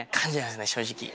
正直。